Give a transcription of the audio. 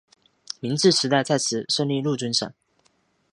明治时代在此设立陆军省。